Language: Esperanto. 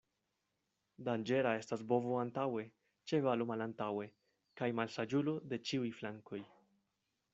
Danĝera estas bovo antaŭe, ĉevalo malantaŭe, kaj malsaĝulo de ĉiuj flankoj.